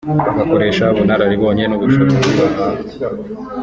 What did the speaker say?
bagakoresha ubunararibonye n’ubushobozi bahaha